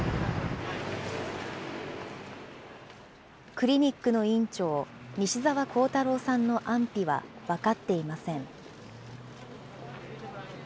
クリニックの院長、西澤弘太郎さんの安否は分かっていません。